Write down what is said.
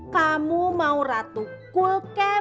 kamu mau ratu cool kek